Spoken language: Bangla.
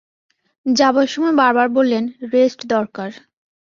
যাবার সময় বারবার বললেন, রেষ্ট দরকার।